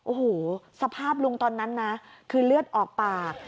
โอ้โหสภาพลุงตอนนั้นนะคือเลือดออกปาก